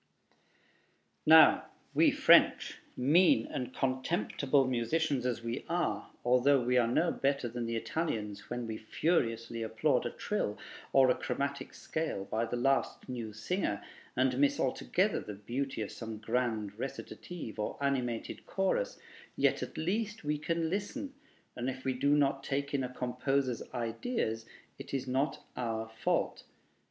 Now, we French, mean and contemptible musicians as we are, although we are no better than the Italians when we furiously applaud a trill or a chromatic scale by the last new singer, and miss altogether the beauty of some grand recitative or animated chorus, yet at least we can listen, and if we do not take in a composer's ideas it is not our fault.